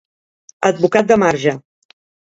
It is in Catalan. Advocat de marge.